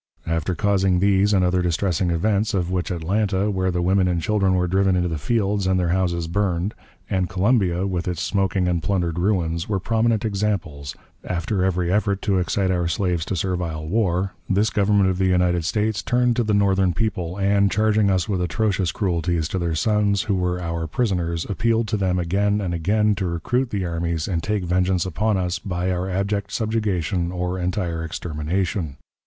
After causing these and other distressing events of which Atlanta, where the women and children were driven into the fields and their houses burned, and Columbia, with its smoking and plundered ruins, were prominent examples after every effort to excite our slaves to servile war this Government of the United States turned to the Northern people, and, charging us with atrocious cruelties to their sons, who were our prisoners, appealed to them again and again to recruit the armies and take vengeance upon us by our abject subjugation or entire extermination.